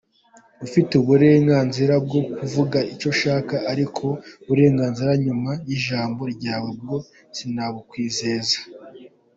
"Ufite uburenganzira bwo kuvuga icyo ushaka ariko uburenganzira nyuma y’ijambo ryawe bwo sinabukwizeza.